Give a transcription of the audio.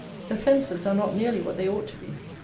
The fences are not nearly what they ought to be.